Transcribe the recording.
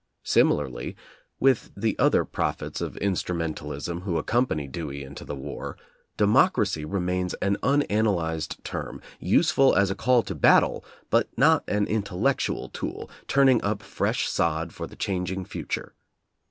Similarly, with the other prophets of instrumentalism who accompany Dewey into the war, democracy remains an unan alyzed term, useful as a call to battle, but not an intellectual tool, turning up fresh sod for the changing future.